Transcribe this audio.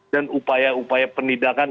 dan upaya upaya penindakan